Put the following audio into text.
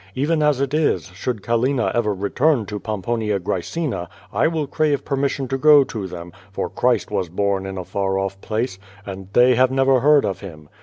Even as it is, should Callina ever return to Pomponia Graecina, I will crave permission to go to them, for Christ was born in a far off place, and thoy have never heard of Him.